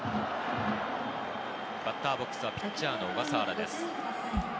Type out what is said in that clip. バッターボックスはピッチャーの小笠原です。